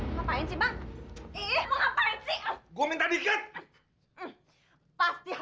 sampai jumpa di video selanjutnya